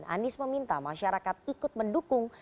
anies meminta masyarakat ikut mendukung